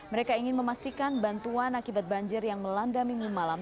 mereka ingin memastikan bantuan akibat banjir yang melanda minggu malam